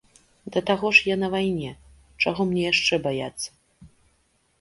Да таго ж я на вайне, чаго мне яшчэ баяцца?